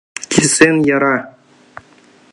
Кӱсен яра!